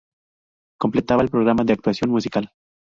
Completaba el programa una actuación musical.